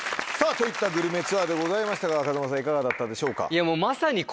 といったグルメツアーでしたが風間さんいかがだったでしょうか？